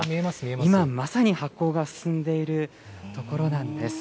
今、まさに発酵が進んでいるところなんです。